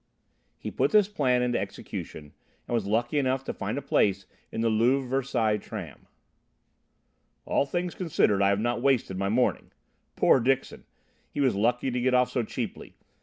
He put this plan into execution, and was lucky enough to find a place in the Louvre Versailles' tram. "All things considered, I have not wasted my morning. Poor Dixon! He was lucky to get off so cheaply.